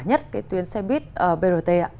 nhất cái tuyến xe buýt brt ạ